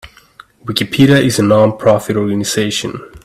Wikipedia is a non-profit organization.